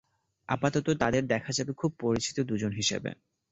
আপাতত তাঁদের দেখা যাবে খুব পরিচিত দুজন হিসেবে।